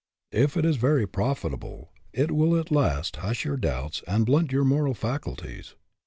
If it is very profit able, it will at last hush your doubts and blunt your moral faculties.